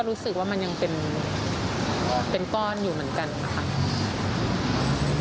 ก็รู้สึกว่ามันยังเป็นเป็นก้อนอยู่เหมือนกันครับค่ะ